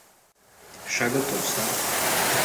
স্বাগত, স্যার।